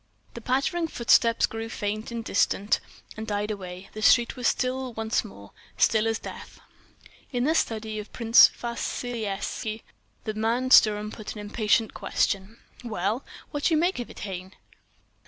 The pattering footsteps grew faint in distance and died away, the street was still once more, as still as Death.... In the study of Prince Victor Vassilyevski the man Sturm put an impatient question: "Well? What you make of it—hein?"